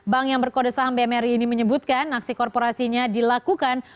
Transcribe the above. bank yang berkode saham bmri ini menyebutkan aksi korporasinya dilakukan